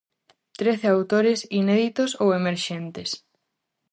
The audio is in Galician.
Trece autores inéditos ou emerxentes.